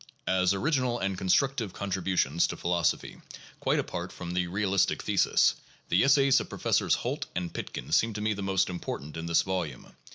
As original and constructive contributions to philosophy, quite apart from the realistic thesis, the essays of Professors Holt and Pitkin seem to me the most important in this volume.